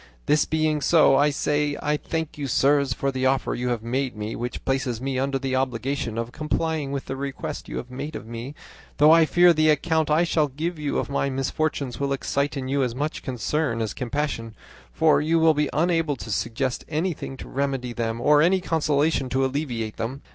This being so, I say I thank you, sirs, for the offer you have made me, which places me under the obligation of complying with the request you have made of me; though I fear the account I shall give you of my misfortunes will excite in you as much concern as compassion, for you will be unable to suggest anything to remedy them or any consolation to alleviate them.